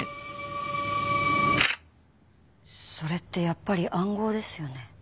それってやっぱり暗号ですよね？